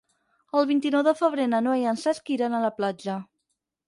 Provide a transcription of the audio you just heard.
El vint-i-nou de febrer na Noa i en Cesc iran a la platja.